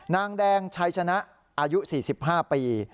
นางแดงชัยชนะอายุ๔๕ปี